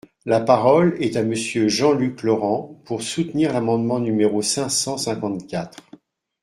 La parole est à Monsieur Jean-Luc Laurent, pour soutenir l’amendement numéro cinq cent cinquante-quatre.